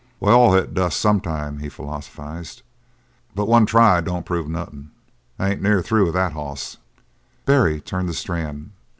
"We all hit dust sometime," he philosophized. "But one try don't prove nothin'. I ain't near through with that hoss!" Barry turned to Strann.